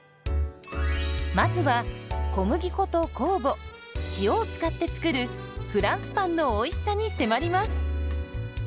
まずは小麦粉と酵母塩を使って作るフランスパンのおいしさに迫ります。